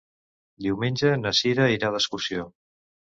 Diumenge na Cira irà d'excursió.